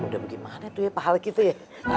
udah gimana tuh ya pahalnya gitu ya